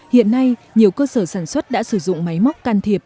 hiện nay nhiều cơ sở sản xuất đã sử dụng máy móc can thiệp